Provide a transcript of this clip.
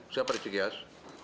siapa di cikyas